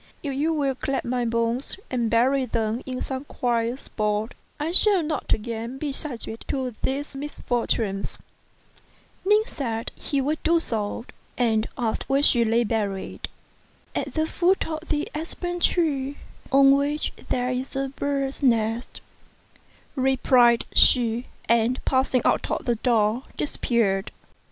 If you will collect my bones and bury them in some quiet spot, I shall not again be subject to these misfortunes." Ning said he would do so, and asked 128 STRANGE STORIES where she lay buried. "At the foot of the aspen tree on which there is a bird's nest," replied she ; and passing out of the door, disappeared.